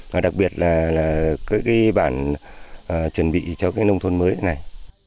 và đặc biệt là các cái bản chuẩn bị cho cái nông thôn mới này